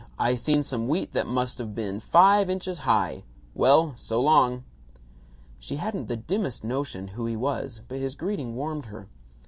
I seen some wheat that must of been five inches high. Well, so long." She hadn't the dimmest notion who he was, but his greeting warmed her.